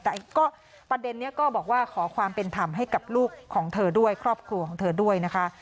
แต่ก็ประเด็นนี้ก็บอกว่าขอความเป็นธรรมให้กับลูกของเธอด้วยครอบครัวของเธอด้วยนะคะ